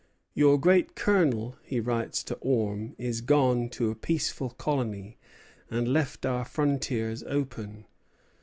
Your great colonel," he writes to Orme, "is gone to a peaceful colony, and left our frontiers open....